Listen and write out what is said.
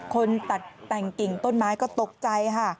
คนตัดแต่งกิ่งต้นไม้ก็ตกใจค่ะ